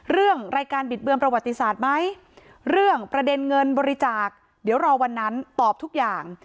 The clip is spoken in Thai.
เรื่องรายการบิดเบือนประวัติศาสตร์ไหมเรื่องประเด็นเงินบริจาคเดี๋ยวรอวันนั้นตอบทุกอย่าง